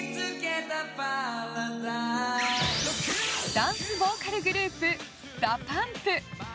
ダンスボーカルグループＤＡＰＵＭＰ。